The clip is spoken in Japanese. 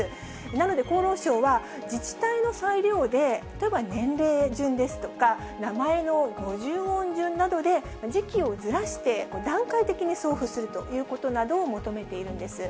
なので、厚労省は自治体の裁量で、例えば年齢順ですとか、名前の五十音順などで時期をずらして段階的に送付するということなどを求めているんです。